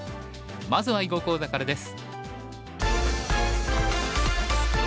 まずは囲碁講座からです。